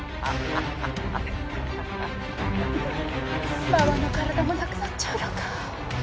ママの体もなくなっちゃうのか。